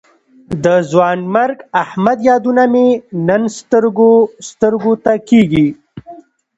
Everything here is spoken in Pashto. د ځوانمرګ احمد یادونه مې نن سترګو سترګو ته کېږي.